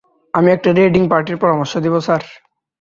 আমি একটা রেইডিং পার্টির পরামর্শ দিবো স্যার।